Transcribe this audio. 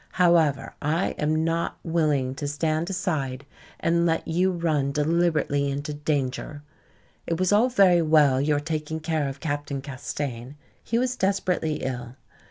However, I am not willing to stand aside and let you run deliberately into danger. It was all very well your taking care of Captain Castaigne. He was desperately ill.